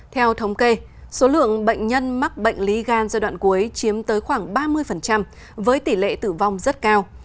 theo thống kê số lượng bệnh nhân mắc bệnh lý gan giai đoạn cuối chiếm tới khoảng ba mươi với tỷ lệ tử vong rất cao